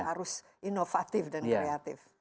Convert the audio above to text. harus inovatif dan kreatif